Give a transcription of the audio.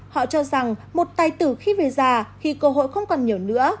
họ cho rằng một tài tử khi về già khi cơ hội không còn nhiều nữa